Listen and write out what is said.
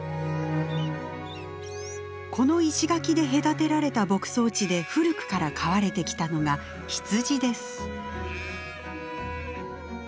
この石垣で隔てられた牧草地で古くから飼われてきたのが羊です。